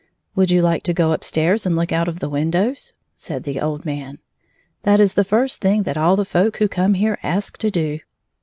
" Would you like to go up stairs and look out of the windows ?" said the old man. " That is the first thing that all the folk who come here ask to do."